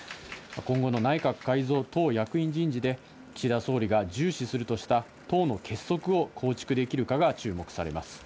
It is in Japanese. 今後の内閣改造・党役員人事で、岸田総理が重視するとした党の結束を構築できるかが注目されます。